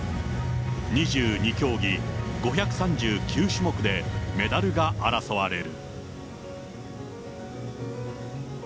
２２競技、５３９種目でメダルが争われる。